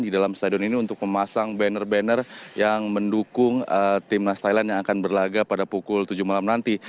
di dalam stadion ini untuk memasang banner banner yang mendukung timnas thailand yang akan berlaga pada pukul tujuh malam nanti